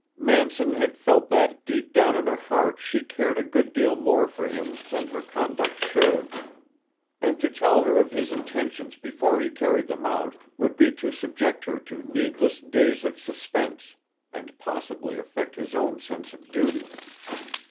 Manson had felt that deep down in her heart she cared a good deal more for him than her conduct showed, and to tell her of his intentions before he carried them out would be to subject her to needless days of suspense and possibly affect his own sense of duty.